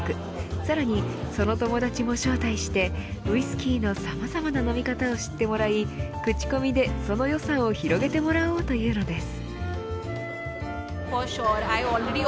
さらに友達も招待してウイスキーのさまざまな飲み方を知ってもらい口コミでその良さを広げてもらおうというのです。